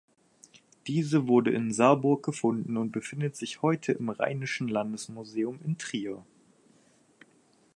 Diese wurde in Saarburg gefunden und befindet sich heute im Rheinischen Landesmuseum in Trier.